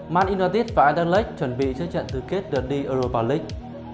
man utd và adelaide chuẩn bị cho trận tứ kết đợt đi europa league